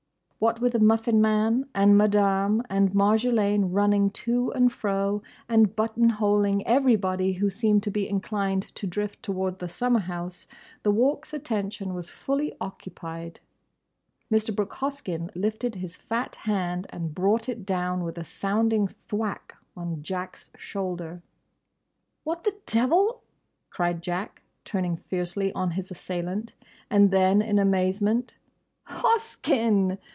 What with the Muffin man, and Madame, and Marjolaine running to and fro and button holing everybody who seemed to be inclined to drift towards the summer house, the Walk's attention was fully occupied. Mr. Brooke Hoskyn lifted his fat hand and brought it down with a sounding thwack on Jack's shoulder. "What the devil—?" cried Jack, turning fiercely on his assailant. And then in amazement, "Hoskyn!